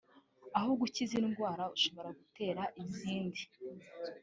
aho gukiza indwara ushobora gutera izindi